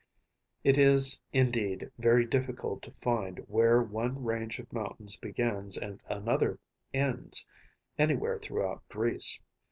It is, indeed, very difficult to find where one range of mountains begins and another ends, anywhere throughout Greece.